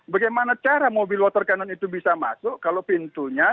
bagaimana cara mobil water cannon itu bisa masuk kalau pintunya